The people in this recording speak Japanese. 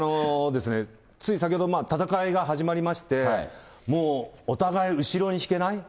つい先ほど戦いが始まりまして、もうお互い、後ろに引けない。